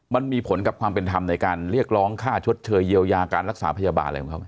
มันมีผลกับความเป็นธรรมในการเรียกร้องค่าชดเชยเยียวยาการรักษาพยาบาลอะไรของเขาไหม